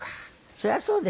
そりゃそうですよ。